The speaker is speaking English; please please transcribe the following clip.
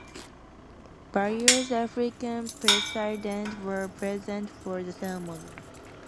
Various African presidents were present for the ceremony.